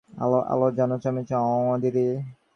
তোমাকে যেন সমীহ করে চলে দিদি।